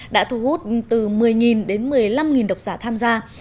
đã thu hút từ một mươi đến một mươi năm độc giả tham gia